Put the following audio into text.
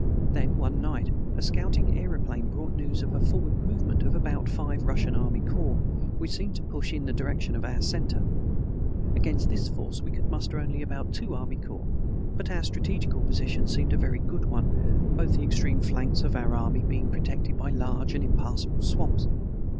Then one night a scouting aeroplane brought news of a forward movement of about five Russian army corps, which seemed to push in the direction of our center. Against this force we could muster only about two army corps, but our strategical position seemed a very good one, both the extreme flanks of our army being protected by large and impassable swamps.